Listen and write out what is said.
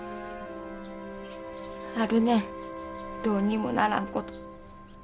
あるねんどうにもならんこと。